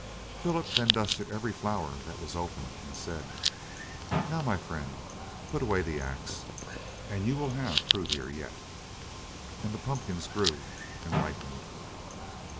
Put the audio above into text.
Philip then dusted every flower that was open and said: "Now, my friend, put away the axe, and you will have fruit here yet." And the pumpkins grew and ripened.